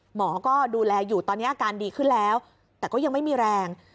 หมอก็ดูแลอยู่ตอนนี้อาการดีขึ้นแล้วแต่ก็ยังไม่มีแรง